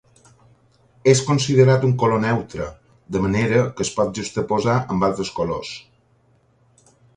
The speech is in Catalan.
És considerat un color neutre, de manera que es pot juxtaposar amb altres colors.